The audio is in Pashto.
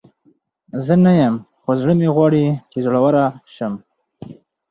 زه نه یم، خو زړه مې غواړي چې زړوره شم.